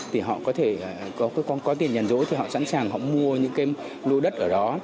thì họ có thể có tiền nhàn dỗi thì họ sẵn sàng họ mua những cái lưu đất ở đó